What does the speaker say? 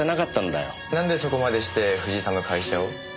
なんでそこまでして藤井さんの会社を？